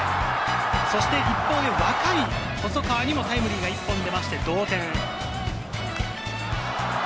一方で、若い細川にもタイムリーが１本出て同点。